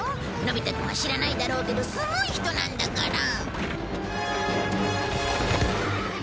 のび太くんは知らないだろうけどすごい人なんだから。